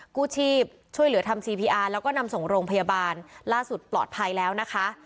กู้ชีพช่วยเหลือทำซีพีอาร์แล้วก็นำส่งโรงพยาบาลล่าสุดปลอดภัยแล้วนะคะ